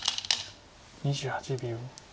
２８秒。